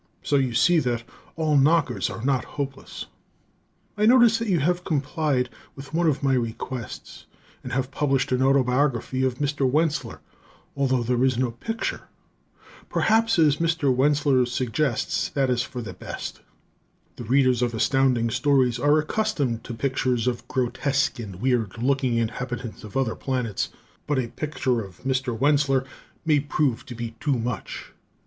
So you see that all knockers are not hopeless! I notice that you have complied with one of my requests, and have published an autobiography of Mr. Wentzler, although there is no picture. Perhaps, as Mr. Wentzler suggests, that is for the best. The readers of Astounding Stories are accustomed to pictures of grotesque and weird looking inhabitants of other planets, but a picture of Mr. Wentzler may prove to be too much.